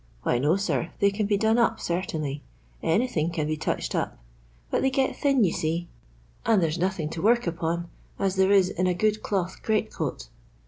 Why no, sir, they can be done up, certainly; anything can be touched op; bat they get thiiii you see, and there's no thinK to work upon as there is in a gt)od cloth greatcoat.